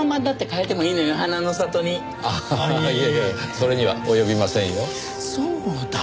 それには及びませんよ。